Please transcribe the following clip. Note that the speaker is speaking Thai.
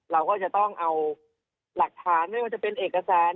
เราก็จะต้องเอาหลักฐานไม่ว่าจะเป็นเอกสาร